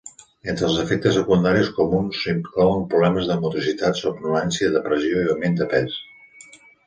Entre els efectes secundaris comuns s'inclouen problemes de motricitat, somnolència, depressió i augment de pes.